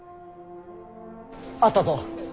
あったぞ。